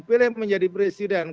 pilih menjadi presiden